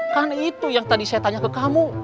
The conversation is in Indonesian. kan itu yang tadi saya tanya ke kamu